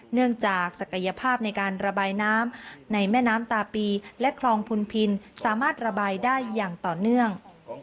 จากศักยภาพในการระบายน้ำในแม่น้ำตาปีและคลองพุนพินสามารถระบายได้อย่างต่อเนื่อง